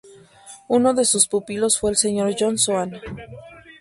Uno de sus pupilos fue el señor John Soane.